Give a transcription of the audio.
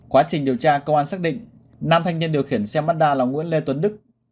quá trình điều tra công an xác định năm thanh niên điều khiển xe ma đa là nguyễn lê tuấn đức